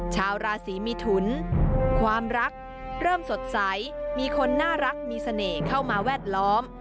ชาวราศีมิถุนความรักเริ่มสดใสมีคนน่ารักมีเสน่ห์เข้ามาแวดล้อม